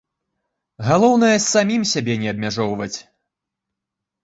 Галоўнае самім сябе не абмяжоўваць.